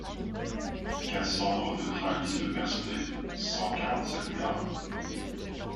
Cassandre neutralise le personnel : cent quarante-sept grammes.